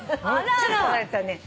ちょっと離れたね。